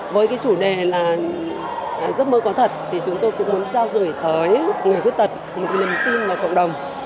với cái chủ đề là giấc mơ có thật thì chúng tôi cũng muốn trao gửi tới người khuyết tật một niềm tin vào cộng đồng